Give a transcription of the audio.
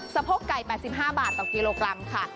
สะโพกไก่๘๕บาทต่อกิโลกรัมค่ะ